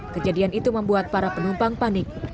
kejadian itu membuat para penumpang panik